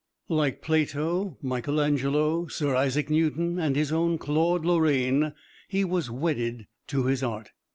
Like Plato, Michelangelo, Sir Isaac Newton and his own Claude Lorraine, he was wedded to his art.